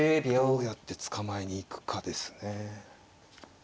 どうやって捕まえに行くかですね。